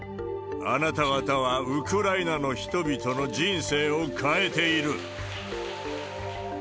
あなた方はウクライナの人々の人生を変えている。